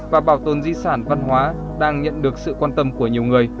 và bảo tồn di sản văn hóa đang nhận được sự quan tâm của nhiều người